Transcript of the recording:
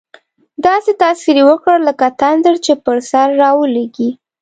داسې تاثیر یې وکړ، لکه تندر چې پر سر راولوېږي.